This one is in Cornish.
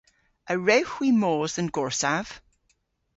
A wrewgh hwi mos dhe'n gorsav?